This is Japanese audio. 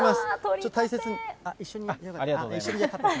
ちょっと大切に。